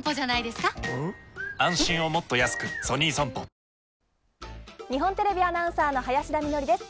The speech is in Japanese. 三菱電機日本テレビアナウンサーの林田美学です。